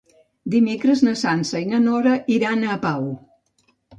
Dimecres na Sança i na Nora iran a Pau.